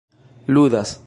ludas